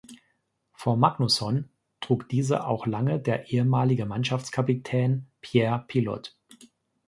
Vor Magnuson trug diese auch lange der ehemalige Mannschaftskapitän Pierre Pilote.